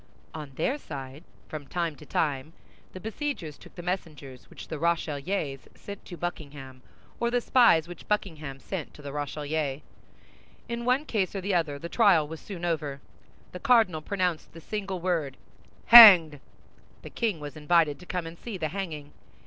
On their side, from time to time, the besiegers took the messengers which the Rochellais sent to Buckingham, or the spies which Buckingham sent to the Rochellais. In one case or the other, the trial was soon over. The cardinal pronounced the single word, "Hanged!" The king was invited to come and see the hanging.